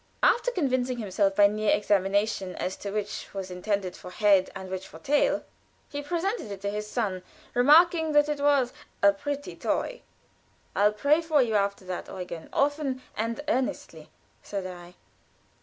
After convincing himself by near examination as to which was intended for head and which for tail, he presented it to his son, remarking that it was "a pretty toy." "I'll pray for you after that, Eugen often and earnestly," said I.